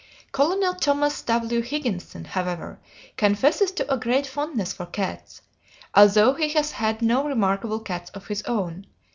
Colonel Thomas W. Higginson, however, confesses to a great fondness for cats, although he has had no remarkable cats of his own.